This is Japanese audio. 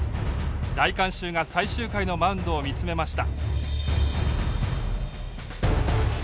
大観衆が最終回のマウンドを見つめました。